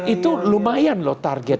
itu lumayan loh targetnya